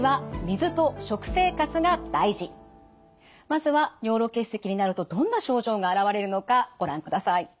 まずは尿路結石になるとどんな症状が現れるのかご覧ください。